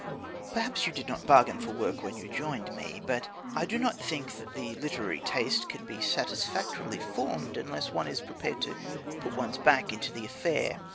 Perhaps you did not bargain for work when you joined me. But I do not think that the literary taste can be satisfactorily formed unless one is prepared to put one's back into the affair.